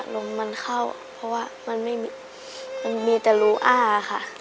ลมมันเข้าเพราะว่ามันไม่มีมันมีแต่รูอ้าค่ะ